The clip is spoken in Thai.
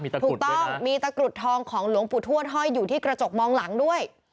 ถูกต้องมีตะกรุดทองของหลวงปู่ทวดห้อยอยู่ที่กระจกมองหลังด้วย